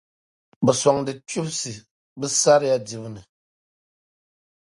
Bɛ bi sɔŋdi kpibisi bɛ saria dibu ni.